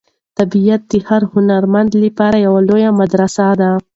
طبیعت د هر هنرمند لپاره لویه مدرسه ده.